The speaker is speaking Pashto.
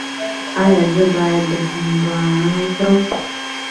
ایا زه باید هندواڼه وخورم؟